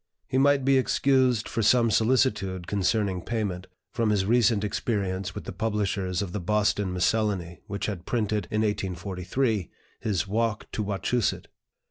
He might be excused for some solicitude concerning payment, from his recent experience with the publishers of the "Boston Miscellany," which had printed, in 1843, his "Walk to Wachusett."